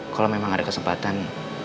kalau memang ada kesempatan